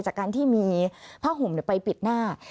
จากการที่มีผ้าห่มไปปิดหน้า